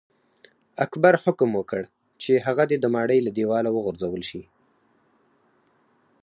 اکبر حکم وکړ چې هغه دې د ماڼۍ له دیواله وغورځول شي.